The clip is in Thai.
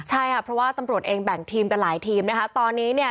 ใช่ค่ะเพราะว่าตำรวจเองแบ่งทีมกันหลายทีมนะคะตอนนี้เนี่ย